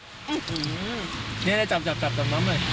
อื้อหือนี่นายจำมากมาย